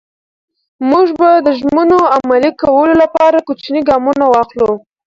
موږ به د ژمنو عملي کولو لپاره کوچني ګامونه واخلو.